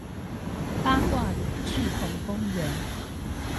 八卦里滯洪公園